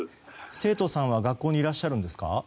生徒さんは学校にいらっしゃるのですか。